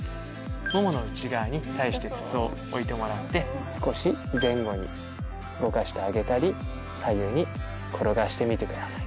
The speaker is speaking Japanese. ももの内側に対して筒を置いてもらって少し前後に動かしてあげたり左右に転がしてみてください。